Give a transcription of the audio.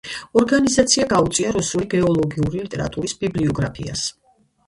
ორგანიზაცია გაუწია რუსული გეოლოგიური ლიტერატურის ბიბლიოგრაფიას.